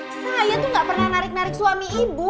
saya tuh gak pernah narik narik suami ibu